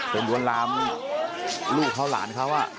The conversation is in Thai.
ลวนลามลูกเขาหลานเขา